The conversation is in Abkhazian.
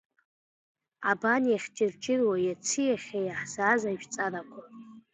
Абан иахьыҷырҷыруа иаци иахьеи иаҳзааз ажәҵарақәа.